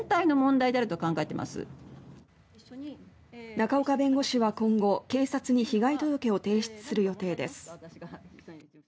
仲岡弁護士は今後警察に被害届を提出する予定です。